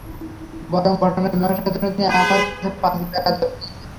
বরং ঘটনার মীমাংসার জন্য তিনি আমার কাছে পাঁচ লাখ টাকা দাবি করেছেন।